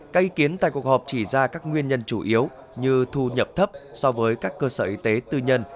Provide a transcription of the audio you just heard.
các ý kiến tại cuộc họp chỉ ra các nguyên nhân chủ yếu như thu nhập thấp so với các cơ sở y tế tư nhân